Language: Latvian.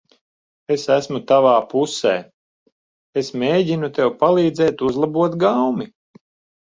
Es esmu tavā pusē. Es mēģinu tev palīdzēt uzlabot gaumi.